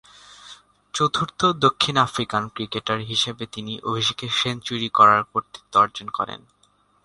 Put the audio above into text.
চতুর্থ দক্ষিণ African cricketer হিসেবে তিনি অভিষেকে সেঞ্চুরি করার কৃতিত্ব অর্জন করেন।